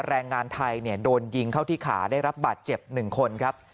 แรงงานไทยโดนยิงเข้าที่ขาได้รับบาดเจ็บ๑คนครับ